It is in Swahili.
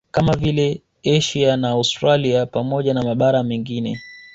Kama vile Asia na Australia pamoja na mabara mengine